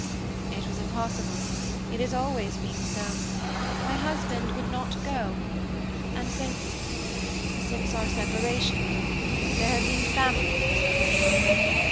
"It was impossible it has always been so. My husband would not go; and since since our separation there have been family reasons."